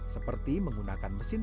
seperti menggunakan mesin